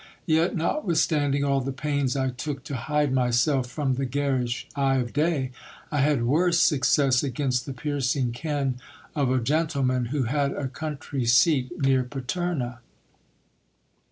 Yet, not withstanding all the pains I took to hide myself from the garish eye of day, I had worse success against the piercing ken of a gentleman, who had a country seat near Paterna.